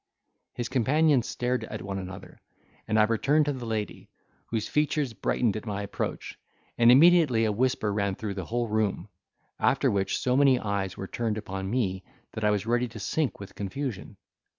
His companions stared at one another, and I returned to the lady, whose features brightened at my approach, and immediately a whisper ran through the whole room; after which so many eyes were turned upon me that I was ready to sink with confusion.